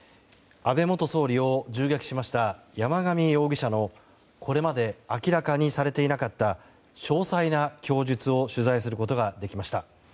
安倍元総理を銃撃しました山上容疑者のこれまで明らかにされていなかった詳細な供述を取材することができました。